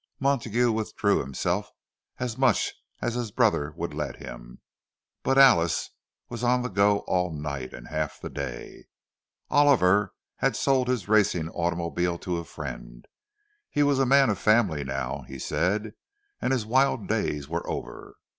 Montague withdrew himself as much as his brother would let him; but Alice, was on the go all night and half the day. Oliver had sold his racing automobile to a friend—he was a man of family now, he said, and his wild days were over.